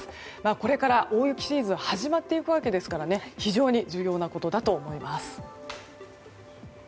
これから大雪シーズンが始まっていくわけですから非常に重要なことだと思います。